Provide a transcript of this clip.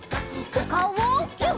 おかおをギュッ！